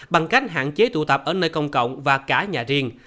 bằng cách hạn chế tụ tập ở nơi công cộng và cả nhà riêng